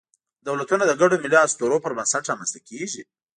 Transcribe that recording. دولتونه د ګډو ملي اسطورو پر بنسټ رامنځ ته کېږي.